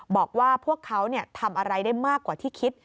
บอกว่าพวกเขาทำอะไรได้มากกว่าที่คิด